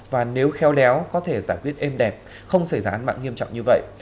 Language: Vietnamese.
và nếu khéo léo có thể giải quyết êm đẹp không xảy ra án mạng nghiêm trọng như vậy